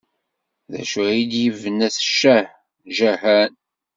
D acu ay yebna Shah Jahan?